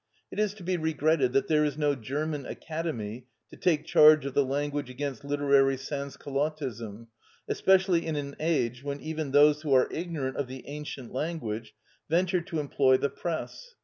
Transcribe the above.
It is to be regretted that there is no German Academy to take charge of the language against literary sans culottism, especially in an age when even those who are ignorant of the ancient language venture to employ the press.